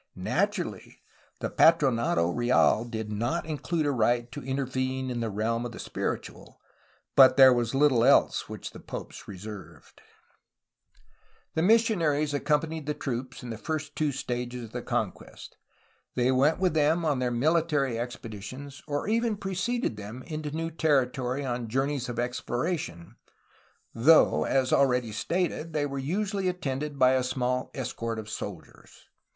Naturally, the Patronato Real did not include a right to intervene in the realm of the spiritual, but there was httle else which the popes reserved. OVERLAND ADVANCE TO THE CALIFORNIA BORDER 151 The missionaries accompanied the troops in the first two stages of the conquest. They went with them on their mili tary expeditions or even preceded them into new territory on journeys of exploration, though, as already stated, they were usually attended by a small escort of soldiers.